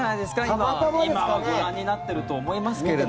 今はご覧になってると思いますけど。